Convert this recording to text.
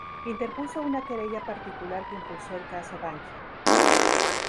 Interpuso una querella particular que impulsó el Caso Bankia.